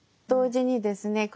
同時にですね